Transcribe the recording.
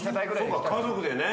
・そっか家族でね。